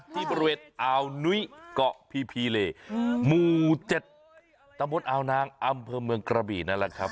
ที่ประเวทอาวนุ้ยเกาะพี่พีเลมู๗ตำบดอาวนางอำเภิมเมืองกระบีนะครับ